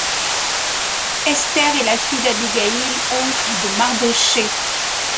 Esther est la fille d'Abigaïl, oncle de Mardochée.